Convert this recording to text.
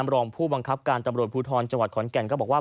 รองผู้บังคับการตำรวจภูทรจังหวัดขอนแก่นก็บอกว่า